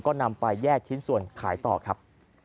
ก็นำไปแยกชิ้นส่วนขายต่อครับ